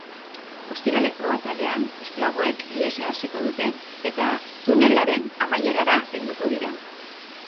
Ostiraleko atalean, esklaboek ihesa hasiko dute eta tunelaren amaierara helduko dira.